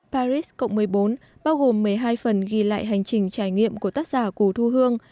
paris cộng một mươi bốn bao gồm một mươi hai phần ghi lại hành trình trải nghiệm của tác giả củ thu hương